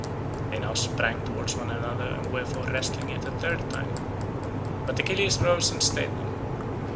They now sprang towards one another and were for wrestling yet a third time, but Achilles rose and stayed them.